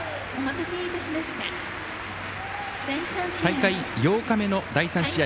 大会８日目の第３試合。